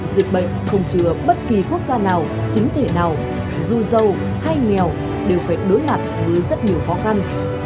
dịch bệnh không chừa bất kỳ quốc gia nào chính thể nào due giàu hay nghèo đều phải đối mặt với rất nhiều khó khăn